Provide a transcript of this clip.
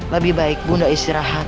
lebih baik bunda istirahat